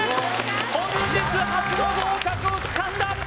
本日初の合格をつかんだ！